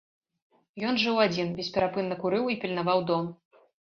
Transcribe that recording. Ён жыў адзін, бесперапынна курыў і пільнаваў дом.